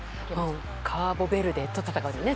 カーボベルデと戦うんですね